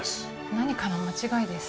何かの間違いです